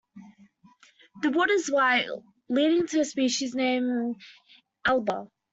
The wood is white, leading to the species name "alba".